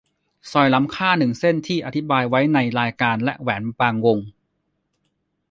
สร้อยล้ำค่าหนึ่งเส้นที่อธิบายไว้ในรายการและแหวนบางวง